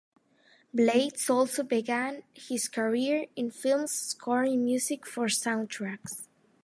Blades also began his career in films scoring music for soundtracks.